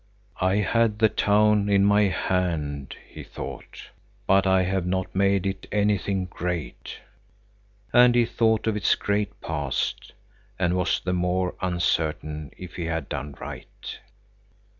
"I had the town in my hand," he thought, "but I have not made it anything great." And he thought of its great past, and was the more uncertain if he had done right.